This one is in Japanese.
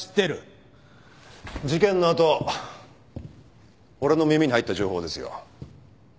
事件の後俺の耳に入った情報ですよ。